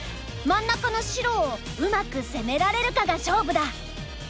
真ん中の白をうまく攻められるかが勝負だ！